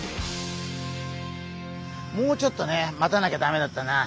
もうちょっとね待たなきゃダメだったな。